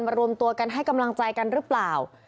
รวมตัวกันให้กำลังใจกันหรือเปล่า